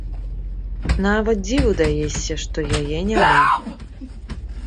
Нават дзіву даешся, што яе няма.